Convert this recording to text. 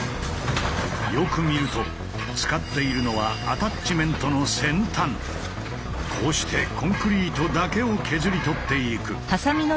よく見ると使っているのはこうしてコンクリートだけを削り取っていく。